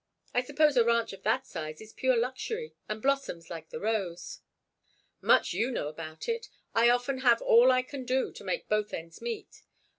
I suppose a ranch of that size is pure luxury, and blossoms like the rose." "Much you know about it. I often have all I can do to make both ends meet.